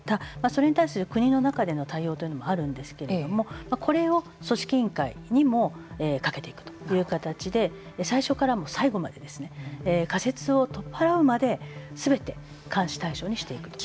それに対する国の中での対応というものもあるんですけれどもこれを組織委員会にもかけていくという形で最初から最後まで仮説を取っ払うまですべて監視対象にしていくと。